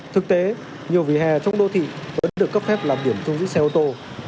thực tế nhiều vỉa hè trong đô thị vẫn được cấp phép làm điểm trong dưới xe ô tô